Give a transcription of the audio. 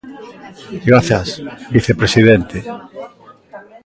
Grazas, vicepresidente.